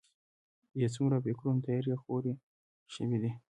يې څومره په فکرونو تيارې خورې شوي دي.